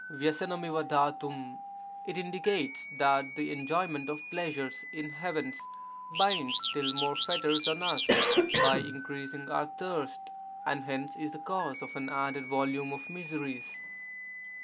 ^TTRffR ^RJ — It indicates that the enjoyment of pleasures in heavens binds still more fetters on us by increasing our thirst and hence is the cause of an added volume of miseries.